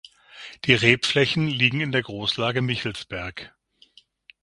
Die Rebflächen liegen in der Großlage Michelsberg.